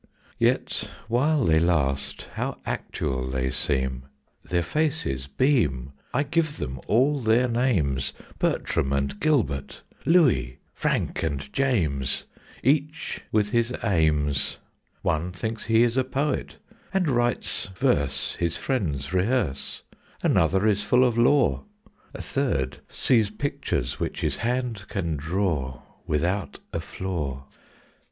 Yet while they last how actual they seem! Their faces beam; I give them all their names, Bertram and Gilbert, Louis, Frank and James, Each with his aims; One thinks he is a poet, and writes verse His friends rehearse; Another is full of law; A third sees pictures which his hand can draw Without a flaw.